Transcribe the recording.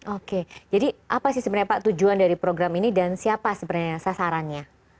oke jadi apa sih sebenarnya pak tujuan dari program ini dan siapa sebenarnya sasarannya